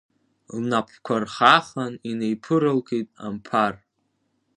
Лнапқәа рхахан инеиԥыралкит Амԥар.